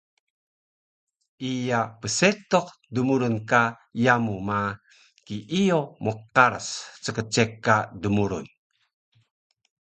Iya psetuq dmurun ka yamu ma, kiiyo mqaras ckceka dmurun